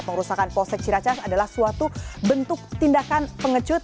pengurusakan possek ciracas adalah suatu bentuk tindakan pengecut